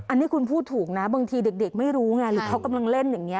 อันนี้คุณพูดถูกนะบางทีเด็กไม่รู้ไงหรือเขากำลังเล่นอย่างนี้